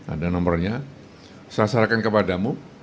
ada nomornya saya serahkan kepadamu